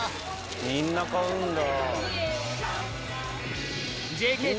みんな買うんだ。